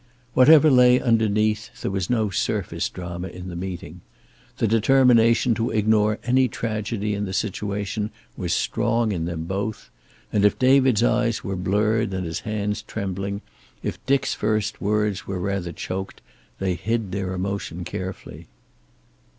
Whatever lay underneath, there was no surface drama in the meeting. The determination to ignore any tragedy in the situation was strong in them both, and if David's eyes were blurred and his hands trembling, if Dick's first words were rather choked, they hid their emotion carefully.